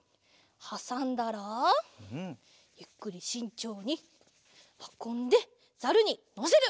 はさんだらゆっくりしんちょうにはこんでザルにのせる。